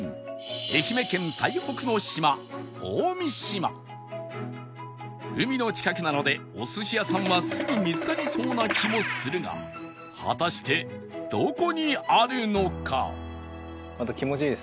愛媛県最北の島海の近くなのでお寿司屋さんはすぐ見つかりそうな気もするが果たしてどこにあるのか？